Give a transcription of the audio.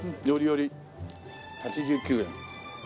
よりより８９円。